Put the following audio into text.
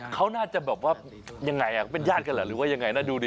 เขาน่าจะบอกว่ายังไงเป็นญาตรกันหรือว่ายังไงหน้าดูเร็ว